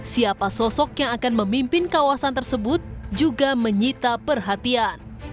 siapa sosok yang akan memimpin kawasan tersebut juga menyita perhatian